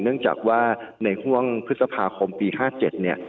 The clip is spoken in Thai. เนื่องจากว่าในห่วงพฤษภาคมปี๕๗เนี่ย